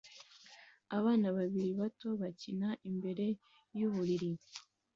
abana babiri bato bakina imbere yuburiri